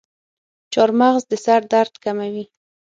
چارمغز د سر درد کموي.